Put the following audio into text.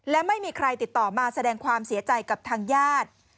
และไม่มีใครติดต่อมาแสดงความเสียใจกับทางญาติ